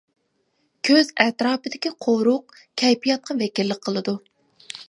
كۆز ئەتراپىدىكى قورۇق: كەيپىياتقا ۋەكىللىك قىلىدۇ.